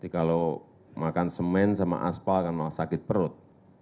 kalau makan semen sama asfal akan malah sakit perut